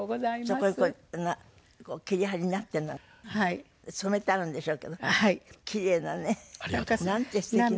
そこへ切り貼りになってるの染めてあるんでしょうけどキレイなねなんて素敵な。